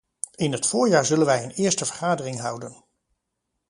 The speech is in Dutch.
In het voorjaar zullen wij een eerste vergadering houden.